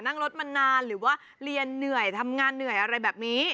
นั่งรถมานานหรือว่าเรียนเหนื่อยทำงานเหนื่อยอะไรแบบนี้